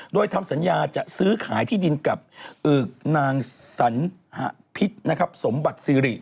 โดยทำสัญญาจะซื้อขายที่ดินกับอึกนางสันพิษสมบัติซีริ